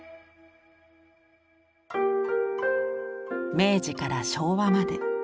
明治から昭和まで。